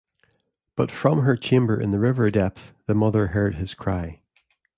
But from her chamber in the river depth the mother heard his cry.